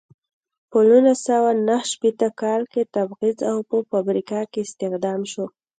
په نولس سوه نهه شپیته کال کې تبعید او په فابریکه کې استخدام شو.